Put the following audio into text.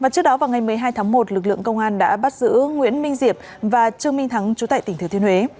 trước đó vào ngày một mươi hai tháng một lực lượng công an đã bắt giữ nguyễn minh diệp và trương minh thắng chú tại tỉnh thừa thiên huế